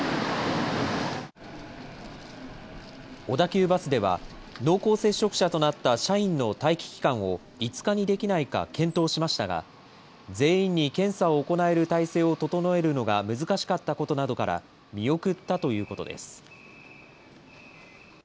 小田急バスでは、濃厚接触者となった社員の待機期間を５日にできないか検討しましたが、全員に検査を行える態勢を整えるのが難しかったことなどから、見送ったということです。